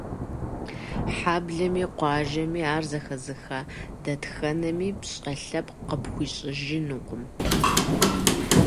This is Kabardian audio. Хьэблэми, къуажэми, ар зэхэзыха дэтхэнэми пщӀэ лъэпкъ къыпхуищӀыжынукъым.